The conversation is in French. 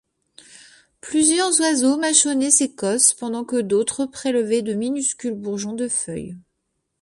Plusieurs oiseaux mâchonnaient ces cosses pendant que d’autres prélevaient de minuscules bourgeons de feuilles.